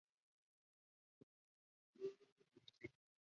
Se encuentra en Perú y Brasil.